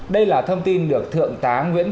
đây là thông tin được thượng tá nguyễn phúc